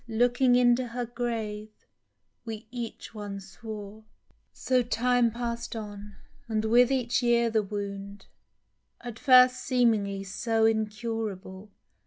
Looking into her grave, we each one swore ! So time pass'd on, and with each year the wound (At first seemingly so incurable.